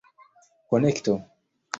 konekto